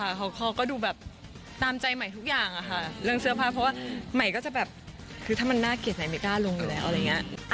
เขาก็ดูแบบตามใจใหม่ทุกอย่างค่ะเรื่องเสื้อผ้าเพราะว่าใหม่ก็จะแบบคือถ้ามันน่าเกลียดใหม่ไม่กล้าลงอยู่แล้วอะไรอย่างนี้